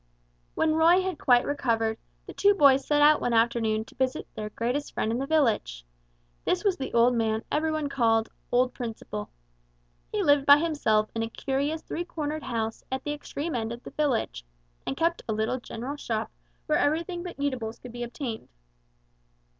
When Roy had quite recovered, the two boys set out one afternoon to visit their greatest friend in the village. This was the old man every one called "old Principle." He lived by himself in a curious three cornered house at the extreme end of the village, and kept a little general shop where everything but eatables could be obtained.